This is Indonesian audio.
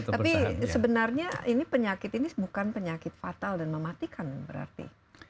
tapi sebenarnya ini penyakit ini bukan penyakit fatal dan mematikan berarti